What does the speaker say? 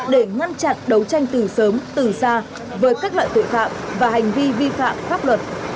để ngăn chặn đấu tranh từ sớm từ xa với các loại tội phạm và hành vi vi phạm pháp luật